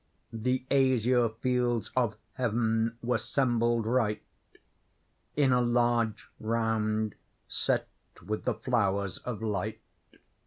The azure fields of Heaven were 'sembled right In a large round, set with the flowers of light.